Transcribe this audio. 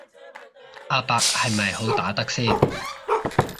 阿伯係咪好打得先